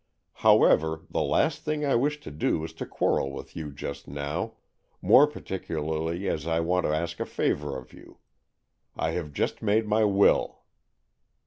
However, the last thing I wish to do is to quarrel with you just now, more particularly as I want to ask a favour of you. I have just made my will."